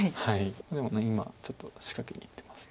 でも今ちょっと仕掛けにいってます。